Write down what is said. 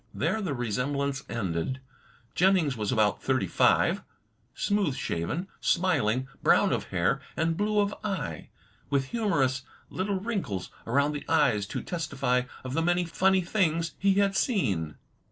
There the resemblance ended. Jennings was about thirty five; smooth shaven, smiling, brown of hair and blue of eye; with humorous little wrinkles arotmd the eyes to testify of the many funny things he had seen.